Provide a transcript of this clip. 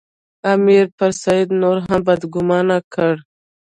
امیر پر سید نور هم بدګومانه کړ.